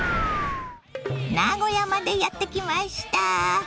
名古屋までやって来ました。